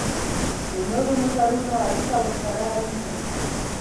د نورو موټرانو اړیکه ورسره ونیوله.